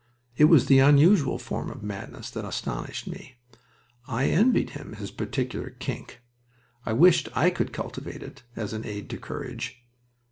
It was the unusual form of madness that astonished me. I envied him his particular "kink." I wished I could cultivate it, as an aid to courage.